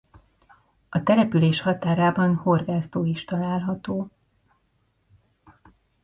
A település határában horgásztó is található.